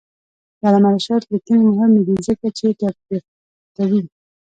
د علامه رشاد لیکنی هنر مهم دی ځکه چې تطبیق کوي.